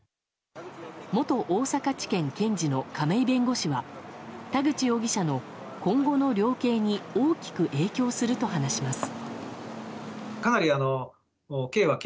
元大阪地検検事の亀井弁護士は田口容疑者の今後の量刑に大きく影響すると話します。